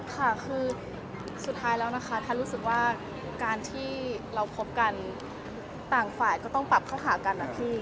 ค่ะคือสุดท้ายแล้วนะคะแพทย์รู้สึกว่าการที่เราคบกันต่างฝ่ายก็ต้องปรับเข้าหากันนะพี่